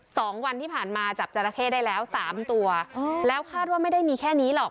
สองวันที่ผ่านมาจับจราเข้ได้แล้วสามตัวอ๋อแล้วคาดว่าไม่ได้มีแค่นี้หรอก